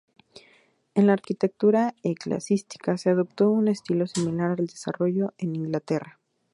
En la arquitectura eclesiástica, se adoptó un estilo similar al desarrollado en Inglaterra.